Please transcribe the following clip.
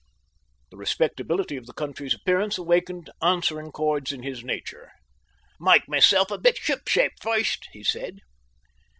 The respectability of the country's appearance awakened answering chords in his nature. "Make myself a bit ship shape first," he said.